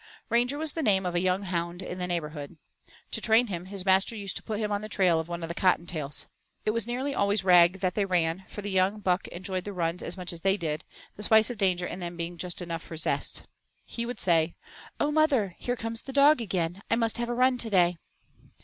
Ranger was the name of a young hound in the neighborhood. To train him his master used to put him on the trail of one of the Cottontails. It was nearly always Rag that they ran, for the young buck enjoyed the runs as much as they did, the spice of danger in them being just enough for zest. He would say: "Oh, mother! here comes the dog again, I must have a run to day."